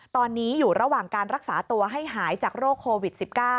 ตอนนี้อยู่ระหว่างการรักษาตัวให้หายจากโรคโควิด๑๙